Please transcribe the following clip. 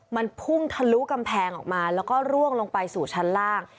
มันพุ่งทะลุกำแพงออกมาแล้วก็ร่วงลงไปสู่ชั้นล่าง